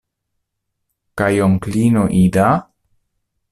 Kaj onklino Ida?